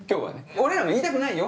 俺らも言いたくないよ